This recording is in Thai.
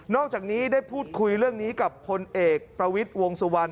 อกจากนี้ได้พูดคุยเรื่องนี้กับพลเอกประวิทย์วงสุวรรณ